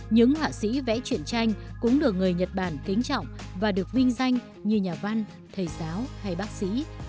những họa sĩ vẽ chuyện tranh cũng được người nhật bản kính trọng và được vinh danh như nhà văn thầy giáo hay bác sĩ